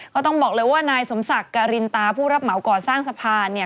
ต้องบอกเลยว่านายสมศักดิ์การินตาผู้รับเหมาก่อสร้างสะพานเนี่ย